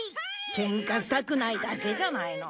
ケンカしたくないだけじゃないの？